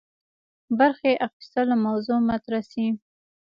برخي اخیستلو موضوع مطرح سي.